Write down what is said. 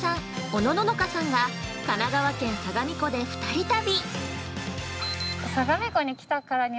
おのののかさんが神奈川県相模湖で２人旅！